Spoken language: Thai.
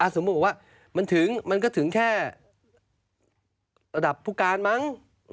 สมมุติบอกว่ามันถึงมันก็ถึงแค่ระดับผู้การมั้ง